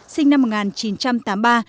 sinh năm một nghìn chín trăm tám mươi ba